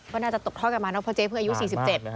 ก็น่าจะตกทอดกลับมาเนอะเพราะเจ๊เพิ่งอายุ๔๗ปี